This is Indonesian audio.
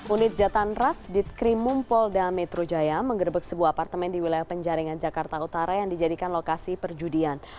unit jatan ras ditkrimum polda metro jaya mengerebek sebuah apartemen di wilayah penjaringan jakarta utara yang dijadikan lokasi perjudian